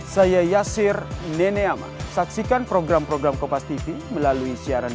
saya tidak tahu menau urusan pelaku itu